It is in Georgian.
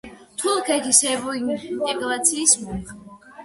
თურქეთის ევროინტეგრაციის მომხრე.